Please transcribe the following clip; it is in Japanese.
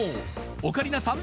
オカリナさん